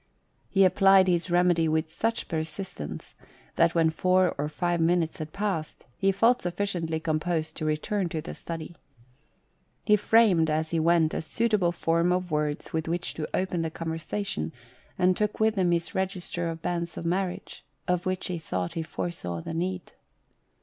He applied his remedy with such persistence that when four or five minutes had passed, he felt sufficiently composed to return to the study. He framed, as he went, a suitable form of words with which to open the 88 LUBRIETTA. conversation, and took with him his register of Banns of Marriage, of which he thought he fore saw the need.